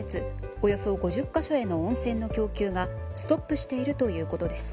およそ５０か所への温泉の供給がストップしているということです。